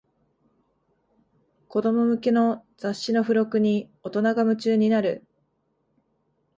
子供向けの雑誌の付録に大人が夢中になる